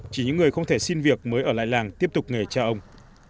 chỉ những người không thể xin việc mới ở lại làng tiếp tục nghề cha ông